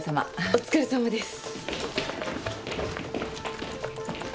お疲れさまです。